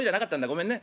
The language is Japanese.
ごめんね。